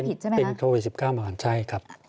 เป็นโควิด๑๙มากันใช่ไหมคะ